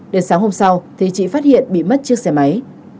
đến sáng hôm sau thì chị phát hiện bị mất chiếc xe máy